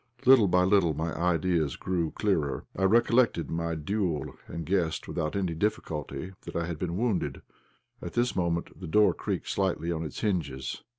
Little by little my ideas grew clearer. I recollected my duel and guessed without any difficulty that I had been wounded. At this moment the door creaked slightly on its hinges.